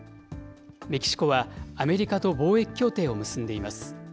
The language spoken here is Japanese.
メキシコはアメリカと貿易協定を結んでいます。